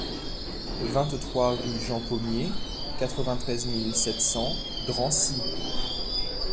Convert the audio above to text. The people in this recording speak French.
vingt-trois rue Jean Pomier, quatre-vingt-treize mille sept cents Drancy